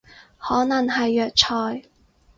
可能係藥材